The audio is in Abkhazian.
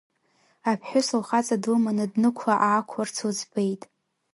Аԥҳәыс лхаҵа длыманы днықәла-аақәларц лыӡбеит.